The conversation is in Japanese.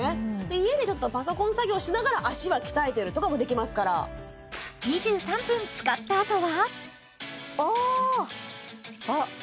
家でちょっとパソコン作業しながら足は鍛えてるとかもできますから２３分使ったあとは？